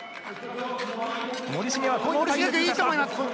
森重君、いいと思います。